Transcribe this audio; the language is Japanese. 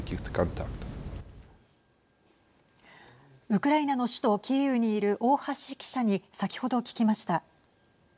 ウクライナの首都キーウにいる大橋記者に先ほど聞きました。